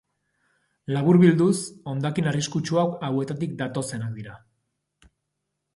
Laburbilduz, hondakin arriskutsuak hauetatik datozenak dira.